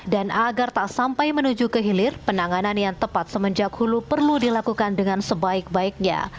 dan agar tak sampai menuju ke hilir penanganan yang tepat semenjak hulu perlu dilakukan dengan sebaik baiknya